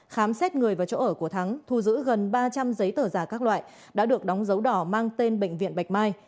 khám xét người và chỗ ở của thắng thu giữ gần ba trăm linh giấy tờ giả các loại đã được đóng dấu đỏ mang tên bệnh viện bạch mai